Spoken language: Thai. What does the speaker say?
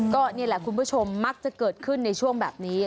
ก็นี่แหละคุณผู้ชมมักจะเกิดขึ้นในช่วงแบบนี้